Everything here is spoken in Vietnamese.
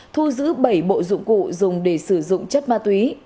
thu giữ bảy bộ dụng cụ dùng để sử dụng chất ma túy